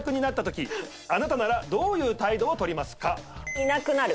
いなくなる。